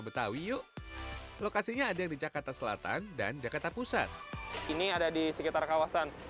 betawi yuk lokasinya ada di jakarta selatan dan jakarta pusat ini ada di sekitar kawasan